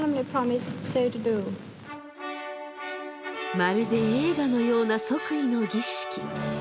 まるで映画のような即位の儀式。